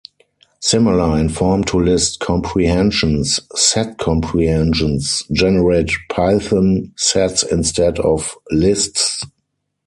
Similar in form to list comprehensions, set comprehensions generate Python sets instead of lists.